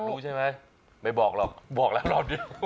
โอ้โฮโอ้โฮ